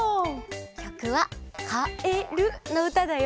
きょくは「かえる」のうただよ！